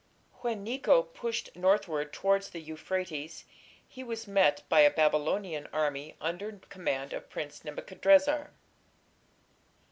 When Necho pushed northward towards the Euphrates he was met by a Babylonian army under command of Prince Nebuchadrezzar.